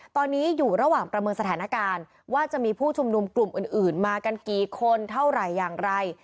ตอนนี้อยู่ระหว่างประเมินสถานการณ์ว่าจะมีผู้ชุมนุมกลุ่มอื่นมากันกี่คนเท่าไหร่อย่างไร